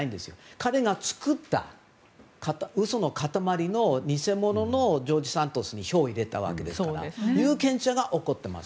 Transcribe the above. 彼が作った嘘の塊の偽者のジョージ・サントスに票を入れたわけですから有権者が怒ってます。